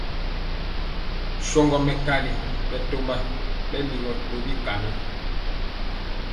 Shagɔ mɛkali bɛtɔmba bɛ ligɔ tɔ bikaŋɔ.